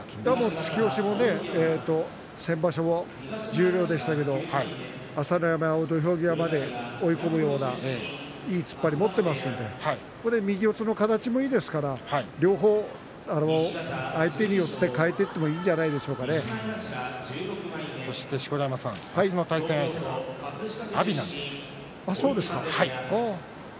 突き押しも先場所十両でしたけれど朝乃山を土俵際まで追い込むようないい突っ張り持っていますので右四つの形もいいですから両方、相手によって変えていっても明日の対戦相手はそうですか。